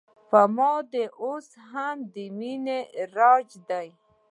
په ما دې اوس هم د مینې راج دی